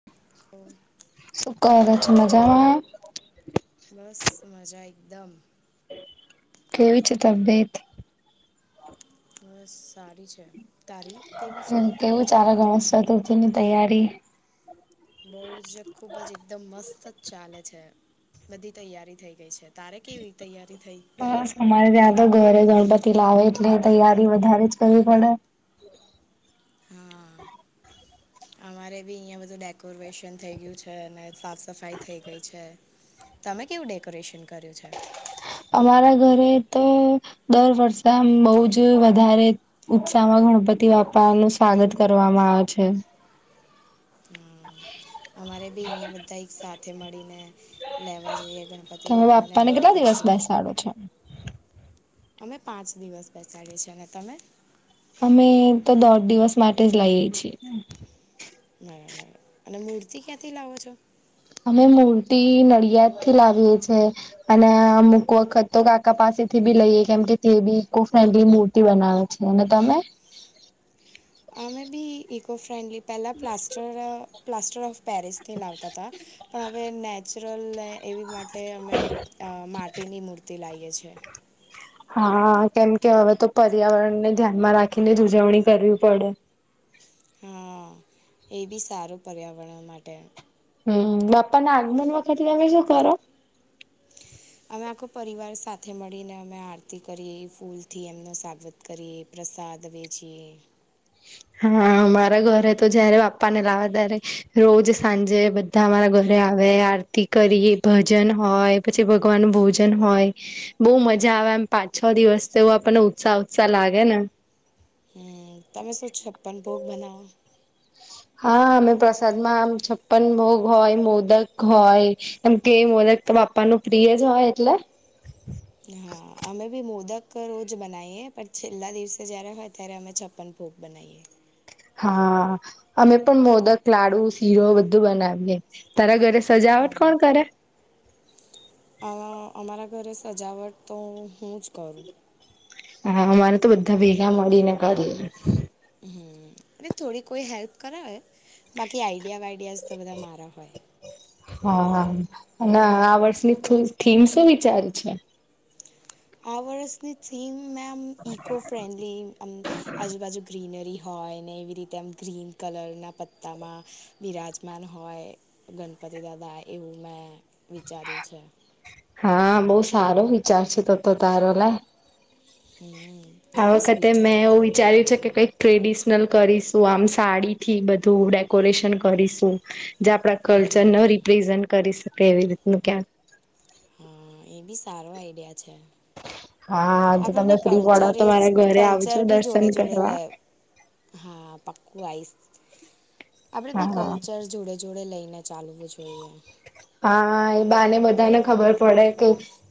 [inaudible] શું કરો છો, મજામાં? બસ મજા એકદમ. કેવી છે તબિયત? બસ સારી છે. તારી કેવી છે કેવું કરો ગણેશ ચતુર્થીની તૈયારી? બઉ જ ખુબ જ એકદમ મસ્ત જ ચાલે છે. બધી તૈયારી થઈ ગઈ છે, તારે કેવી તૈયારી થઈ? બસ અમારે ત્યાં તો ઘરે ગણપતિ લાવે એટલે તૈયારી વધારે જ કરવી પડે ન. [inaudible] અમારે બી અહિયાં બધું ડેકોરેશન થઇ ગયું છે અને સાફ સફાઈ થઈ ગઈ છે. તમે કેવું ડેકોરેશન કર્યું છે? અમારા ઘરે તો દર વર્ષ આમ બહુ જ વધારે. ઉત્સાહમાં ગણપતિ બાપાનું સ્વાગત કરવામાં આવે છે. [unintelligible] અમારે બી અહીંયા બધા એક સાથે મળીને લેવા જઈએ ગણપતિ. ગનપતિબાપાને અને અને પછી સારો છે. અમે પાંચ દિવસ બેસાડીએ છે અને તમે અમે તો દોઢ દિવસ માટે જ લઈએ છીએ. બરાબર અને મૂર્તિ ક્યાંથી લાવો છો? અમે મૂર્તિ નડિયાદથી લાવીએ છીએ. અને અમુક વખત તો કાકા પાસેથી બી લઈએ, કેમ કે તે બી ઇકો ફ્રેન્ડલી મૂર્તિ બનાવે. અનેને તમે હ મે બી ઇકો ફ્રેન્ડલી પલા પસસ્ટ્ટર પ્લાસ્ટર ઓફ પેરિસથી લાવતા હતા. પણ હવે નેચરલ એવી માટીની મૂર્તિ લાવીએ છીએ. હા, કેમ કે હવે તો પર્યાવરણને ધ્યાનમાં રાખીને જ ઉજવણી કરવી પડે. હા, એ બી સારું પર્યાવરણ માટે. હમ, બાપ્પાના આગમન વખતે તમે શું કરો? [inaudible] અમે આખો પરિવાર સાથે મળીને અમે આરતી કરી એ ફૂલથી એમનો સાગવત કરીએ પ્રસાદ બેચીએ હા, મારા ઘરે તો જયારે બાપ્પા ને લાવવા ત્યારે રોજ સાંજે ધ અમારા ઘરે આવે આરતી કરી ભજન હોય, પછી ભગવાનનું ભોજન હોય. બહુ મજા આવે એમ પાંચ-છ દિવસ તોવ આપણને ઉત્સાહ ઉત્સાહ લાગે ને? હમ, તમે શું છપ્પન ભોગ બનાવો? હા, અમે પ્રસાદમાં આમ છપ્પન ભોગ હોય, મોદક હોય. એમ કે મો બાપ્પાના પ્રિય જ હોય એટલે હા, અમે બી મોદક રોજ બનાઈએ પણ છેલ્લા દિવસે જયારે હોય ત્યારે અમે છપ્પન ભોગ બનાવીએ. હા, અમે પણ મોદક લાડુ શીરો બધું બનાવીએ. તારા ઘરે સજાવટ કોણ કરે? આ અમારા ઘરે સજાવટ તો હું જ કરું. હા, અમારે તો બધા ભેગા મળીને કરી. હ એટલે થોડી કોઈ હેલ્પ કરાવે બાકી આઈડિયા વાઈડિયાઝ તો બધા મારા હોય. હા હા અને આ વર્ષની થીમ શું વિચારી છે. આ વર્ષની થીમ મેમ ઇકો ફ્રેન્ડલી આમ આજુબાજુ ગ્રીનરી હોય ને એવી રીતે આમ ગ્રીન કલરના પત્તામાં બિરાજમાન હોય ગણપતિ દાદા એવું મેં વિચાર્યું છે. હા બહુ સારો વિચાર છે તોતો તારો લે. હમ. આ વખતે મેં એવું વિચાર્યું છે કે કઈક ટ્રેડિશનલ કરીશું આમ સાડી થી બધું ડેકોરેશન કરીશું. જે આપડા કલ્ચર ને રિપ્રેઝન્ટ કરી શકે એવી રીતનું ક્યાંક હા એ બી સારો આઈડિયા છે. હા તો આપણને તમે ફ્રી પડો તો કલ્ચરિસ્ મારા ઘરે કલ્ચર આવજો બી દર્શન જોડે જોડે કરવા લે. હા પાક્કું આઈશ આપડે બી હા કલ્ચરસ જોડે જોડે લઈને ચાલવું જોઈએ. હા એ બાને બધાને ખબર પડે કે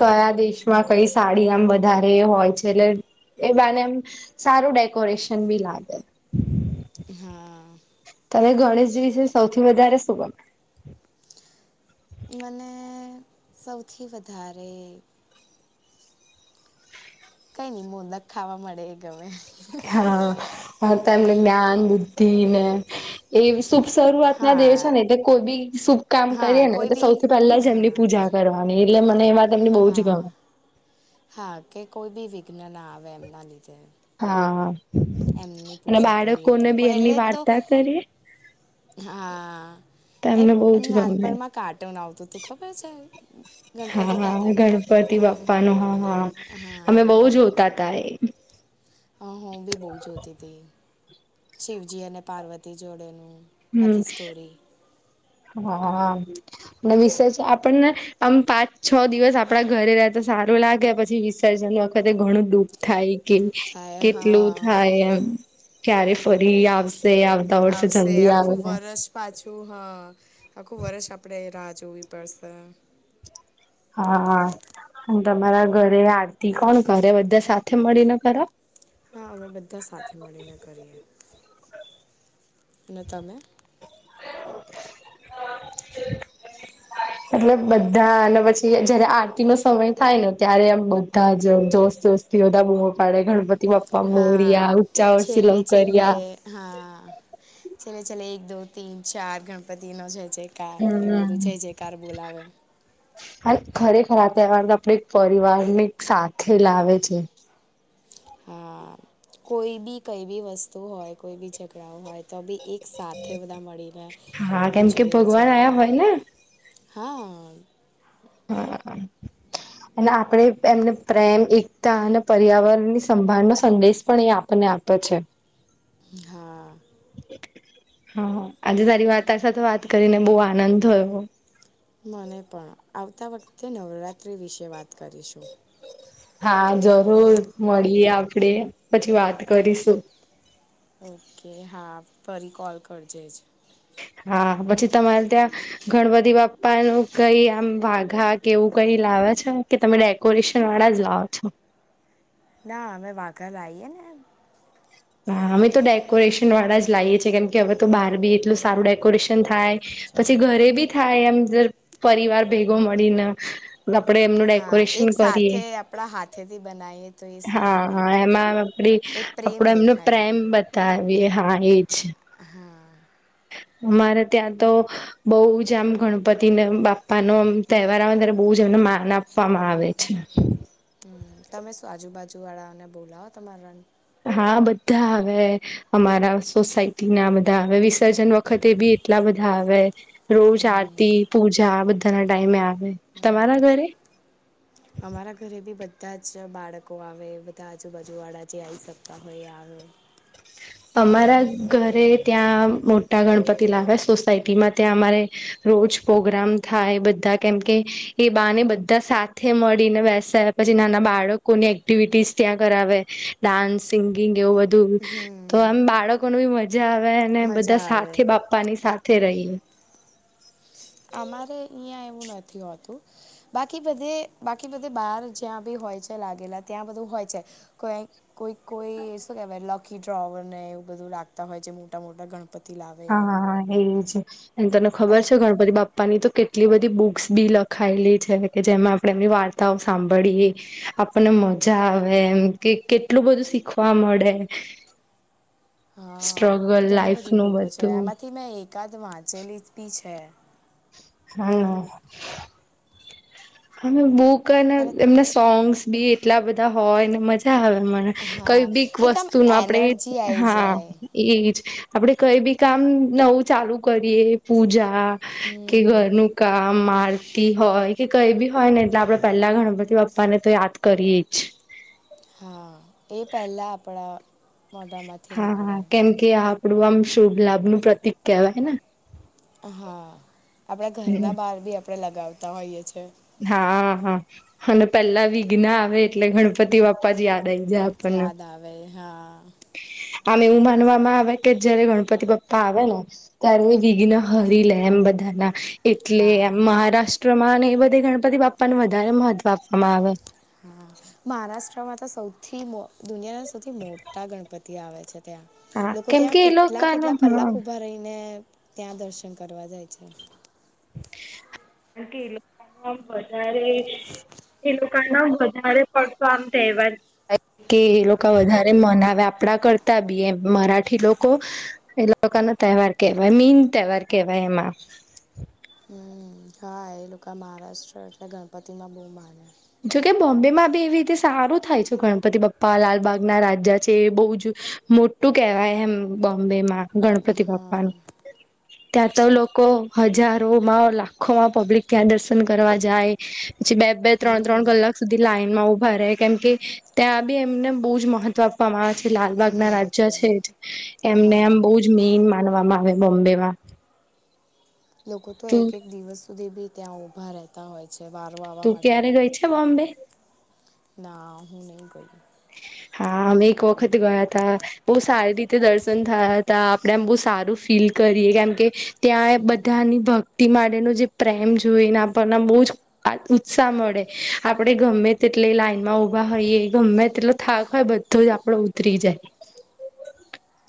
કયા દેશમાં કઈ સાડી આમ વધારે હોય છે એટલે એ બાને એમ સારું ડેકોરેશન બી લાગે. હા. તમે ગણેશજી વિશે સૌથી વધારે શું કરો. મને સૌથી વધારે કઈ નઈ મોંદક ખાવા મળે એ ગમે. હા હા તો એમને જ્ઞાન બુદ્ધિ ને એ શુભ શરૂઆત ના દેવ છે હા ને એ કોઈ બી શુભ કામ કરીએ હા કોઈ ને બી સૌથી પહેલા જ હા એમની પૂજા કરવાની એટલે મને એ વાત એમની બહુ જ ગમે હા કે કોઈ બી વિઘ્ન ના આવે એમના લીધે હા હા એમની પૂજા કરીએ તો કોઈ એમની એટલે તો વાર્તા કરીએ હા તો એ એમને બહુ જ ગમે નાનપણમાં કાર્ટુન આવતું તું ખબર છે ગણપતિ દાદા હા ગણપતિ બાપ્પા નું હા હા અમે બહુ જોતા હતા એ હા હું બી બહુ જોતી હતી શિવજી અને પાર્વતી જોડેનું હમ આખી સ્ટોરી હા અને વિશે છે આપણને આમ પાંચ છ દિવસ આપડા ઘરે રહે તા સારું લાગે પછી વિસર્જન વખતે ઘણું દુઃખ થાય કે દુઃખ થાય કેટલું હા થાય એમ ક્યારે ફરી આવશે આવતા વર્ષે આવશે જલ્દી આવે આખું વરસ પાછું હા આખુ વર્ષ આપણે રાહ જોવી પડશે હા અને તમારા ઘરે આરતી કોણ કરે બધા સાથે મળીને કરો હા અમે બધા સાથે મળીને કરીએ અને તમે [inaudible] એટલે બધા અને પછી જ્યારે આરતી નો સમય થાય ને ત્યારે આમ બધા જ જોશ જોશ થી બધા બુમો પાડે ગણપતિ બાપ્પા હા મોર્યા ઉંચા વર્ષી છેલ્લે છેલ્લે લવકરિયા હા છેલ્લે છેલ્લે એક દો તીન ચાર ગણપતિનો જય જય કાર કાર એવું હમ બધું જય જય કાર બોલાવે હા ખરેખર આ તહેવાર તો આપડે એક પરિવાર ને એક સાથે લાવે છે હા કોઈ બી કઈ બી વસ્તુ હોય કોઈ બી ઝઘડાઓ હોય તો બી એક સાથે બધા મળીને હા કેમ કે ઉજવે છે ભગવાન આયા આપણે હોય ને. હા [inaudible] અને આપણે એમને પ્રેમ એકતા અને પર્યાવરણ ની સંભાળનો સંદેશ પણ એ આપે આપણને આપે છે હા હા આજે તારી વાર્તા સાથે વાત કરીને બો આનંદ થયો. મને પણ આવતા વખતે નવરાત્રિ વિશે વાત કરીશું. હા જરૂર મળીએ આપડે પછી વાત કરીશું ઓકે હા ફરી કોલ કરજે જ હા પછી તમારે ત્યાં ગણપતિ બાપ્પા નું કઈ આમ વાઘા કેવું કઈ લાવે છે કે તમે ડેકોરેશન વાળા જ લાવો છો ના અમે વાઘા લાઈએે ને એમ. હા અમે તો ડેકોરેશન વાળા જ લાઈએ છીએ કેમ કે હવે તો બહાર બી એટલું સારું ડેકોરેશન થાય પછી ઘરે બી થાય એમ પરિવાર ભેગો મળીને આપડે એમનું હા એક ડેકોરેશન કરીએ સાથે આપણા હાથેથી બનાવીએ તો એ સારું એમ હા એમાં આપડી એક આપડો પ્રેમ એમનો દેખાય પ્રેમ બતાવીએ હા એજ હા અમારે ત્યાં તો બઉ જ આમ ગણપતિ બાપ્પાનો તહેવાર આવે ત્યારે બઉ જ એમને માન આપવામાં આવે છે. [inaudible] તમે શું આજુબાજુવાળાઓને બોલાવો તમારા હા બધા આવે અમારા સોસાયટી ના બધા આવે વિ સર્જન વખતે બી એટલા બધા આવે રોજ આરતી પૂજા આ બધાના ટાઈમે આવે તમારા ઘરે અમારા ઘરે બી બધા જ બાળકો આવે બધા આજુબાજુ વાળા જે આવી શકતા હોય એ આવે. [inaudible] અમારા ઘરે ત્યાં મોટા ગણપતિ લાવે સોસાયટીમાં ત્યાં અમારે રોજ પ્રોગ્રામ થાય બધા કેમકે એ બાને બધા સાથે મળીને બેસે. પછી નાના બાળકોની એક્ટિવિટીસ ત્યાં કરાવે ડાન્સ સિંગિંગ એવું બધું. તો આમ બાળકો ને બી મજા આવે અને મજા બધા આવે સાથે બાપ્પા ની સાથે રહી. અમારે અહીંયા એવું નથી હોતું. બાકી બધે બાકી બધે બાર જ્યાં બી હોય છે લાગેલા ત્યાં બધું હોય છે. કો કોઈ કોઈ શું કેહેવાય લકી ડ્રોવર ને એવું બધું રાખતા હોય છે મોટા મોટા ગણ હા હા હા એ છે અને તને ખબર અને છે ગણપતિ બાપ્પા ની તો કેટલી બધી બુક્સ બી લખાયેલી છે કે જેમાં આપણે એમની વાર્તા વાર્તા ઓ સાંભળએ આપણને મજા આવે એમ કે કેટલું બધું શીખવા મળે હા સ્ટ્રગલ ઘણી લાઈફ બધી નું બૂકો છે બધું એમાંથી મેં એકાદ વાંચેલી બી છે. હમ્મ બુક અને એમના સોંગ્સ બી એટલા બધા હોય ને મજા આવે મને. હા કઈ બીક એક આમ વસ્તુ નો આપડે એનર્જી આવી હા જાય એજ આપડે કઈ બી કામ નવું ચાલુ કરીએ પૂજા કે હમ ઘરનું કામ આરતી હોય કે કઈ બી હોય ને એટલે આપડે પેલા ગણપતિબાપ્પાને તો યાદ કરીએ જ. હા, એ પહેલાં આપણા મોઢામાંથી હા, નીકળે કેમ કે આપડું આમ શુભ લાભનું પ્રતિક કેહેવાય ને. હા, આપણા હમ ઘરના બહાર બી આપણે લગાવતા હોઈએ છીએ. હા, હા અને પેલા વિઘ્ન આવે એટલે ગણપતિ ગનપતિબાપા જ યાદ આઇ જાય જ પછી આપણ ન યાદ આવે હા આમ એવું માનવામાં આવે કે જયારે ગણપતિબાપ્પા આવે ને? ત્યારે વિઘ્ન હરી લે એમ બધાના. એટલે હા મહારાષ્ટ્રમાં ને એ બધે ગણપતિ બાપાને વધારે મહત્વ આપવામાં આવે. હા મહારાષ્ટ્રમાં તો સૌથી મો દુનિયાના સૌથી મોટા ગણપતિ આવે છે. ત્યા આવે લોકો કેમ કે ત્યાં એ લોકોનો કેટલા-કેટલા હા કલાક ઉભા રે રહીને ત્યાં દર્શન કરવા જાય છે. કારણ કે લોકો આમ વધારે એ લોકોના વધારે પડતો આમ તેહવાર કે એ લોકો વધારે મનાવે આપણા કરતા બી એમ મરાઠી લોકો એ લોકો ન તહેવાર કેવાય મીન તહેવાર કેવાય એમાં. હમ હા, એ લોકો મહારાષ્ટ્ર એટલે ગણપતિમાં બહુ માને. જોકે બોમ્બેમાં બી એવી રીતે સારું થાય છે. ગણપતિ બપ્પા લાલબાગના રાજા છે બહુ જ મોટું કેવાય એમ બોમ્બે માં ગણપતિ બાપ્પાનું ત્યાં તો લોકો હજારોમાં લાખોમાં પબ્લિક ત્યાં દર્શન કરવા જાય પછી બે બે ત્રણ-ત્રણ હમ કલાક સુધી લાઈનમાં ઉભા રહે કેમ કે ત્યાં બી અમને બહુ મહત્વ અમારા જે લાલબાગ ના રાજા છે એમને એમ હા બહ જ મેઈન માનવામાં આવે બોમ્બે માં લોકો તો એક એક દિવસ સુધી બી ત્યાં ઉઊભા રહેતા છે. વારો આવવા તું માટ ક્યારે ગઈ છે બોમ્બે ના હુ નઇ ગઇ હ, હા, અમે એક વખત ગયા હતા, બહુ સારી રીતે દર્શન થયા હતા આપડે આમ બહુ સારું ફીલ કરીએ કેમ કે ત્યાં બધાની ભક્તિ માટેનો જે પ્રેમ જોઈને આપને બહુ જ ઉત્સાહ મળે આપડે ગમે તેટલે લાઈન માં ઉભા હોઈયે ગમે એટલો થાક હોય બધો જ આપડો ઉતરી જાય.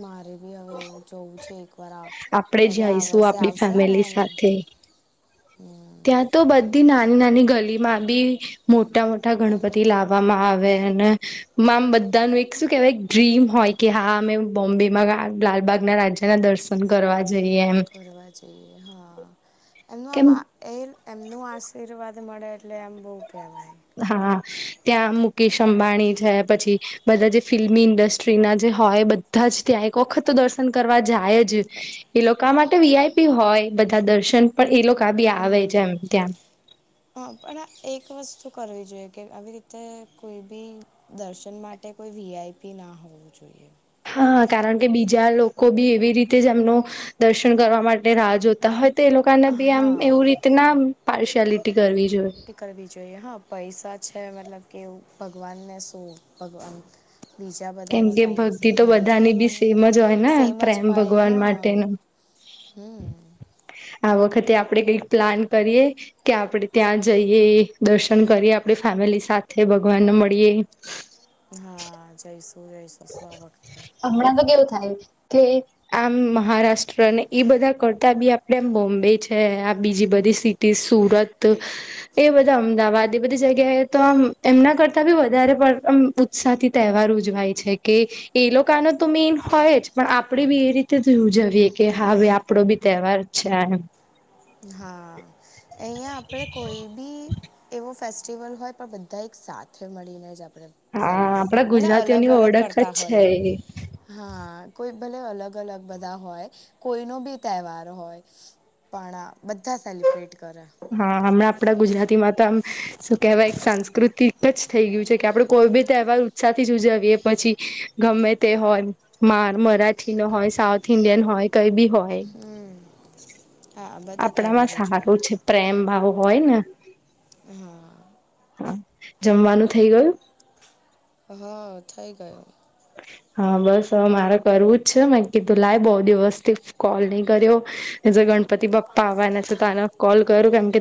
મારે બી હવે એવું જોવું છે એક વાર આ, હવે આ વર્ષે આવશે ને એટલે આઠ હા, ત્યાં તો બધી નાની નાની ગલીમાં બી મોટા મોટા ગણપતિ લાવવામાં આવે અને આમ બધાનું એક શું કેહેવાય ડ્રીમ હોય કે હા, અમે બોમ્બેમાં લાલબાગના રાજા ના દર્શ ન કરવા જઈએ. એમ કરવા જઈએ હા, એમનું કેમ આમાં એ એમનું આશીર્વાદ મળે એટલે આમ બહુ કહેવાય. હા, ત્યાં મુકેશ અંબાણી છે પછી બધા જે ફિલ્મી ઇન્ડસ્ટ્રીના જે હોય બધા જ ત્યાં એક વખત તો દર્શન કરવા જાય જ કચ્ છે. એ લોકા માટે વીઆઈપી હોય બધા દર્શન પણ એ લોકા બી આવે જ એમ ત્યા હા પણ એક વસ્તુ કરવી જોઈએ કે આવી રીતે કોઈ બી દર્શન માટે કોઈ વીઆઈપી ના હોવું જોઈએ. હા કારણ કે બીજા લોકો બી એવી રીતે જે એમનું દર્શન કરવા માટે રાહ જોતા હોય તો એ લોકોને બી આમ હા એવું રીતે ના પાર્શિયાલિટી કરવી જોઈએ. કરવી જોઈએ, હા પૈસા છે મતલબ કેવું ભગવાન ને શું આમ ભગવાન બીજા કેમ બધાનો કે ટાઈમ શું ભક્તિ તો ખરીદી બધાની બી લેવાનો, સેમ જ હોય ને સેમ જ પ્રેમ હોય હ ભગવાન માટેનો હમ્મ આ વખતે આપણે કઈક પ્લાન કરીએ. કે આપણેે ત્યાં જઈએ દર્શન કરીએ આપણી ફેમિલી સાથે ભગવાનને મળીએ. હા જયસુ જયસુ આ વખતે. હમણા તો કેવું થાય કે આમ મહારાષ્ટ્ર ને એ બધા કરતા બી આપડે આમ બોમ્બે છે આ બીજી બધી સી ટી સુરત એ બધા અમદાવાદ એ બધી જગ્યાએ તો આમ એમના કરતા બી વધારે પણ અમ ઉત્સાહથી તહેવાર ઉજવાય છે કે એ લોકોનો તો મેઈન હોય જ પણ આપણે બી એ રીતે જ ઉજવીએ કે હાવે આપણો બી તહેવાર છે એમ. હા અહીંયા આપડે કોઈ બી એવો ફેસ્ટિવલ હોય પણ બધા એક સાથે મળીને જ આપણે હા સેલિબ્રેટ કરે, આપડા ભલે અલગ ગુજરાતીઓની અલગ ઓળખ જ કરતા છે હોઈએ. એ હા કોઈ ભલે અલગ અલગ બધા હોય, કોઈનો બી તહેવાર હોય. પણ બધા સેલિબ્રેટ કરે. હા હમણાં આપણા ગુજરાતીમાં તો આમ શું કેહેવાય એક સાંસ્કૃતિક જ થઈ ગયું છે કે આપડું કોઈ બી તહેવાર ઉત્સાહથી ઉજવીએ પછી ગમે તે હોય. માર મરાઠી નો હોય, સાઉથ ઈન્ડિયન હોય, કઈ બી હોય. હા બધા તહેવાર આપણામાં ઉજવે સારું છે પ્રેમ ભાવ હોય ને હા હા જમવાનું થઇ ગયું? હા થઈ ગયો. [inaudible] હા બસ હવે મારે કરવું જ છે મે કીધું લાય બહુ દિવસ થી કોલ નહી કર્યો [unintelligible] ગણપતિ બાપ્પા આવવાના છે તો આન કોલ કરું કેમ કે